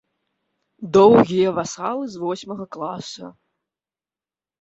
Доўгія васалы з восьмага класа.